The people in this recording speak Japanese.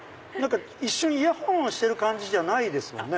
一瞬イヤホンをしてる感じじゃないですもんね。